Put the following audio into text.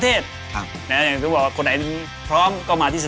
ทั้งประเทศ